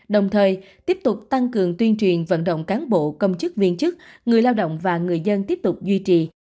đồng thời tiếp tục tăng cường tuyên truyền vận động cán bộ công chức viên chức người lao động và người dân tiếp tục duy trì